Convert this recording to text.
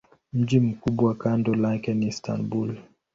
Mji mkubwa kando lake ni Istanbul.